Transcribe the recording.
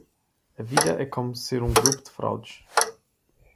A vida é como ser um grupo de fraudes